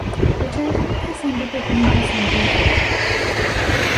به جای تو میپسندی بگو میپسندید